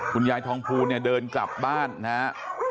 คุณยายทองภูเนี่ยเดินกลับบ้านนะฮะ